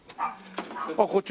あっこっち。